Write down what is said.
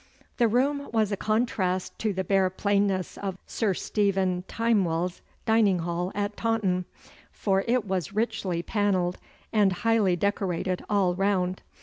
The room was a contrast to the bare plainness of Sir Stephen Timewell's dining hall at Taunton, for it was richly panelled and highly decorated all round.